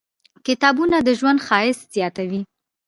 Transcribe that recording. • کتابونه، د ژوند ښایست زیاتوي.